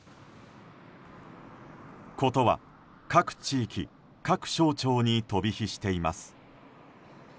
ことは各地域各省庁に飛び火しています。